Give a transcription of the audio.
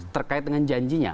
terkait dengan janjinya